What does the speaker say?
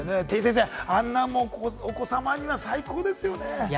てぃ先生、お子様には最高ですよね。